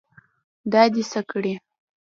دا دې څه کړي.